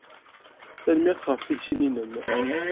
Tanemmirt ɣef tisin-nnem.